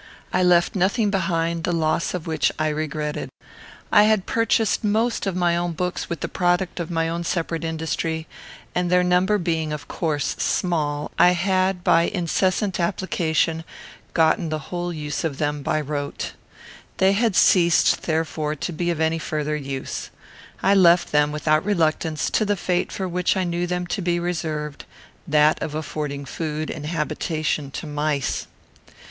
I left nothing behind, the loss of which I regretted. I had purchased most of my own books with the product of my own separate industry, and, their number being, of course, small, I had, by incessant application, gotten the whole of them by rote. They had ceased, therefore, to be of any further use. I left them, without reluctance, to the fate for which I knew them to be reserved, that of affording food and habitation to mice.